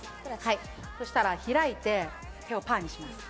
そうしたら開いて、手をパーにします。